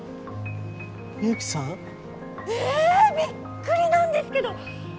ミユキさん？えびっくりなんですけど。